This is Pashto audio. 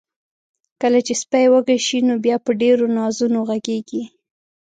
کله چې سپی وږي شي، نو بیا په ډیرو نازونو غږیږي.